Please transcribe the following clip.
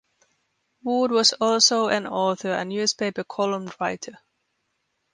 Wood was also an author and newspaper column writer.